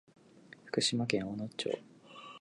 福島県小野町